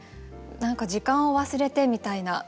何か時間を忘れてみたいな。